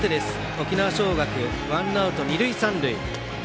沖縄尚学、ワンアウト二塁三塁。